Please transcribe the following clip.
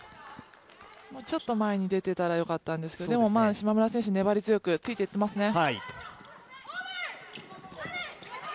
もうちょっと前に出ていたらよかったんですけど、でも島村選手、粘り強くついていっていますね。